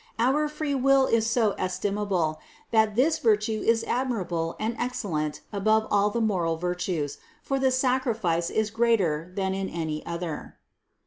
Our free will is so estimable, that this virtue is admirable and excellent above all the moral virtues; for the sacrifice is greater than in any other.